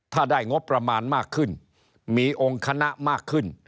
ถ้าได้งบประมาณมากขึ้นมีองค์คณะมากขึ้น